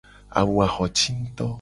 Awu a xo ci nguto.